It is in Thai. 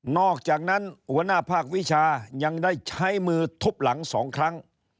อกจากนั้นหัวหน้าภาควิชายังได้ใช้มือทุบหลัง๒ครั้ง